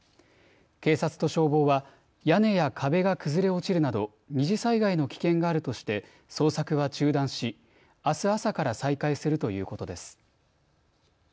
警察と消防は屋根や壁が崩れ落ちるなど二次災害の危険があるとして捜索は中断しあす朝から再開するということです。